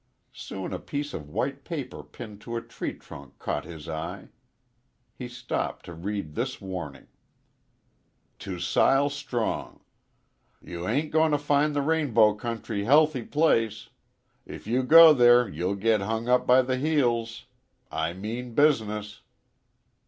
Soon a piece of white paper pinned to a tree trunk caught his eye. He stopped and read this warning: "To Sile Strong _"You haint goin t' find the Rainbow country helthy place. If you go thare youll git hung up by the heels. I mean business."